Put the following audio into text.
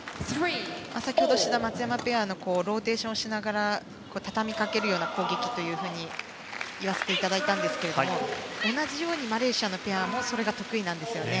先ほど志田、松山ペアのローテーションしながら畳みかけるような攻撃と言わせていただいたんですが同じようにマレーシアのペアもそれが得意なんですよね。